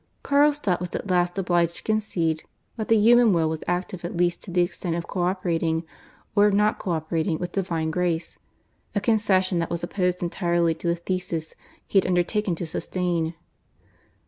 Carlstadt was at last obliged to concede that the human will was active at least to the extent of co operating or of not co operating with divine Grace, a concession that was opposed entirely to the thesis he had undertaken to sustain.